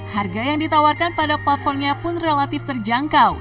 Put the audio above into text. harga yang ditawarkan pada platformnya pun relatif terjangkau